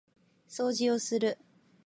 掃除をする